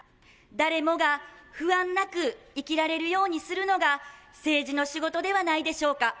誰もが不安なく生きられるようにするのが政治の仕事ではないでしょうか。